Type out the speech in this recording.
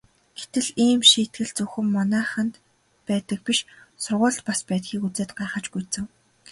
Тэгтэл ийм шийтгэл зөвхөн манайханд байдаг биш сургуульд бас байдгийг үзээд гайхаж гүйцэв.